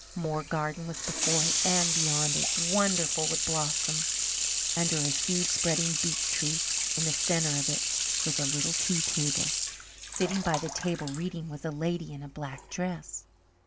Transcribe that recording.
More garden was before it and beyond it, wonderful with blossom. Under a huge spreading beech tree in the centre of it was a little tea table; sitting by the table reading was a lady in a black dress.